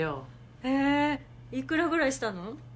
へぇ幾らぐらいしたの？